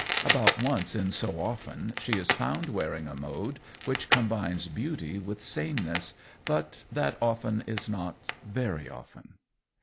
About once in so often she is found wearing a mode which combines beauty with saneness but that often is not very often.